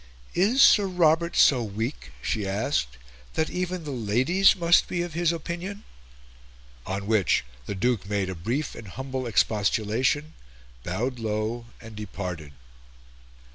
"Is Sir Robert so weak," she asked, "that even the Ladies must be of his opinion?" On which the Duke made a brief and humble expostulation, bowed low, and departed.